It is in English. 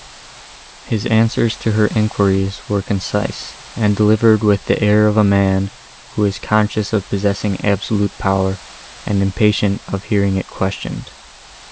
His answers to her enquiries were concise, and delivered with the air of a man, who is conscious of possessing absolute power and impatient of hearing it questioned.